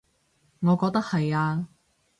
我覺得係呀